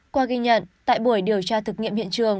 qua ghi nhận tại buổi điều tra thực nghiệm hiện trường